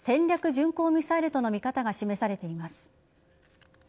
巡航ミサイルとの見方が示されています。